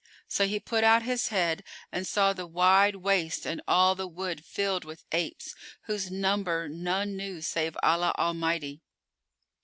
So he put out his head and saw the wide waste and all the wold filled with apes, whose number none knew save Allah Almighty.